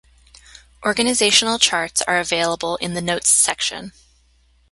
Organizational charts are available in the notes section.